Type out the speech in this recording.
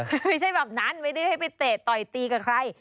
ไม่ใช่แบบนั้นไม่ได้ให้ไปเตะต่อยตีกับใคร